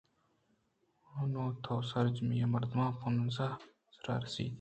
ا نوں تو سرجمیءَ مردم ءَ پونز ءِ سرا رسینئے